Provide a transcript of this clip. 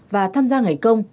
và tham gia ngày công